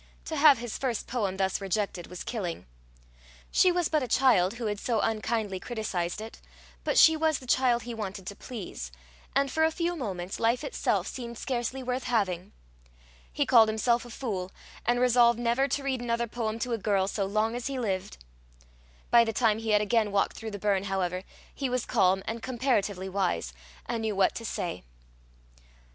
To have his first poem thus rejected was killing. She was but a child who had so unkindly criticized it, but she was the child he wanted to please; and for a few moments life itself seemed scarcely worth having. He called himself a fool, and resolved never to read another poem to a girl so long as he lived. By the time he had again walked through the burn, however, he was calm and comparatively wise, and knew what to say.